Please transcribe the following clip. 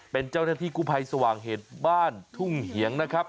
เป็นเจ้าหน้าที่กู้ภัยสว่างเหตุบ้านทุ่งเหียงนะครับ